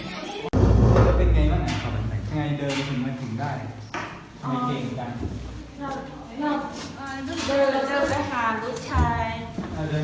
แกจะแกียวเป็นไงบ้างอ่ะสามัญฑัก